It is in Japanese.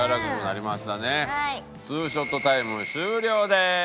ショットタイム終了です！